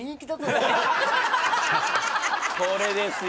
これですよ。